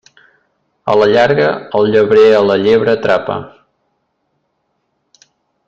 A la llarga, el llebrer a la llebre atrapa.